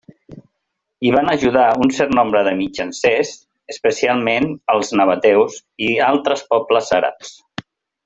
Hi van ajudar un cert nombre de mitjancers, especialment els nabateus i altres pobles àrabs.